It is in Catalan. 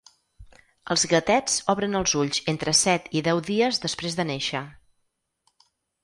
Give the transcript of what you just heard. Els gatets obren els ulls entre set i deu dies després de néixer.